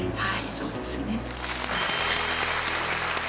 そうですね。